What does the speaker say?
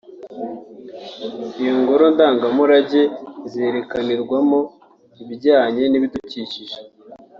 Iyi ngoro ndangamurage izerekanirwamo ibijyanye n’ibidukikije